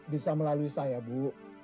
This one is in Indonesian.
bisa melalui saya bu